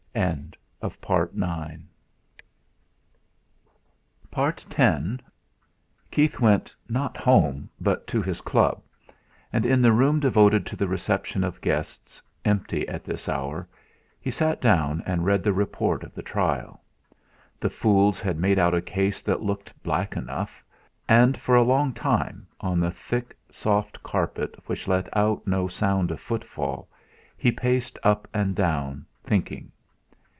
X Keith went, not home, but to his club; and in the room devoted to the reception of guests, empty at this hour, he sat down and read the report of the trial. The fools had made out a case that looked black enough. And for a long time, on the thick soft carpet which let out no sound of footfall, he paced up and down, thinking.